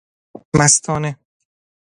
مستانه